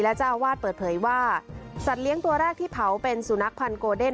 เจ้าอาวาสเปิดเผยว่าสัตว์เลี้ยงตัวแรกที่เผาเป็นสุนัขพันธ์โกเดน